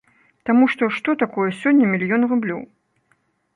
Таму што, што такое сёння мільён рублёў?